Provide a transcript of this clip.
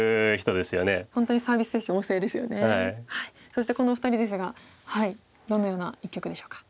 そしてこのお二人ですがどのような一局でしょうか。